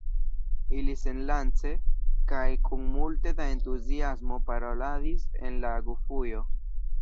Ili senlace kaj kun multe da entuziasmo paroladis en la Gufujo.